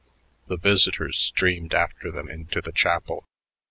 The visitors streamed after them into the chapel.